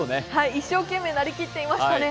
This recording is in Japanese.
一生懸命なりきっていましたね。